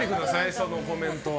そのコメントは。